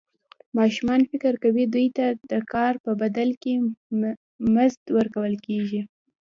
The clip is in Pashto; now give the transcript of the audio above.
ماشومان فکر کوي دوی ته د کار په بدل کې مزد ورکول کېږي.